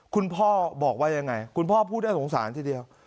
คุณพ่อบอกว่ายังไงคุณพ่อพูดน่าสงสารทีเดียว